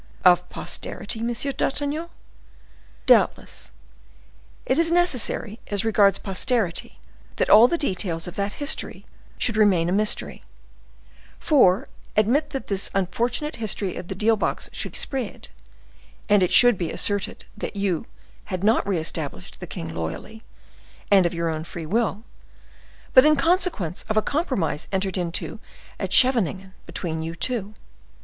"Of posterity, Monsieur d'Artagnan?" "Doubtless. It is necessary, as regards posterity, that all the details of that history should remain a mystery; for, admit that this unfortunate history of the deal box should spread, and it should be asserted that you had not re established the king loyally, and of your own free will, but in consequence of a compromise entered into at Scheveningen between you two.